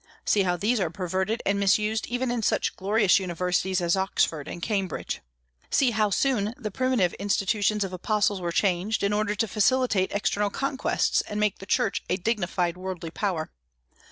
See how these are perverted and misused even in such glorious universities as Oxford and Cambridge. See how soon the primitive institutions of apostles were changed, in order to facilitate external conquests and make the Church a dignified worldly power.